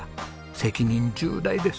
責任重大です。